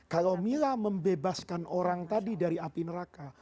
kalau mila membebaskan orang tadi dari api neraka